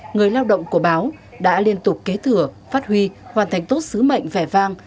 người lao động của báo đã liên tục kế thừa phát huy hoàn thành tốt sứ mệnh vẻ vang